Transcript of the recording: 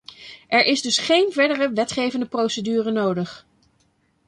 Er is dus geen verdere wetgevende procedure nodig.